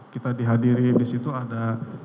kita dihadiri di situ ada